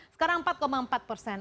sekarang empat empat persen